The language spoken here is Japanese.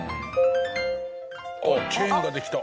チェーンができた！